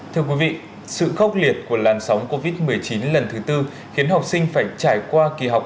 thưa quý vị sự khốc liệt của làn sóng covid một mươi chín lần thứ tư khiến học sinh phải trải qua kỳ học